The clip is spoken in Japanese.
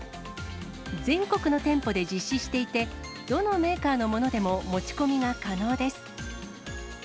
全国の店舗で実施していて、どのメーカーのものでも、持ち込みが可能です。